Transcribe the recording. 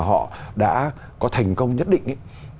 họ đã có thành công nhất định